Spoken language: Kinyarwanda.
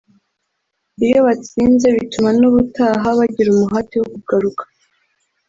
iyo batsinze bituma n’ubutaha bagira umuhate wo kugaruka